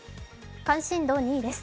関心度２位です。